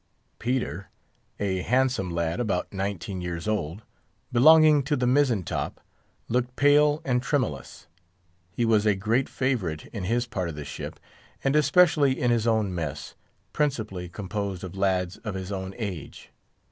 Peter, a handsome lad about nineteen years old, belonging to the mizzen top, looked pale and tremulous. He was a great favourite in his part of the ship, and especially in his own mess, principally composed of lads of his own age.